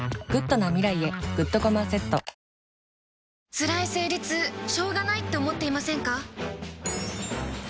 つらい生理痛しょうがないって思っていませんか？